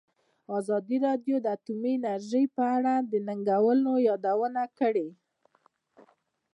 ازادي راډیو د اټومي انرژي په اړه د ننګونو یادونه کړې.